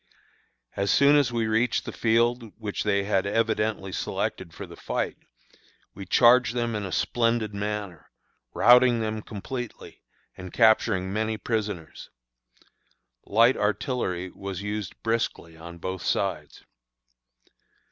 As soon as we reached the field which they had evidently selected for the fight, we charged them in a splendid manner, routing them completely, and capturing many prisoners. Light artillery was used briskly on both sides.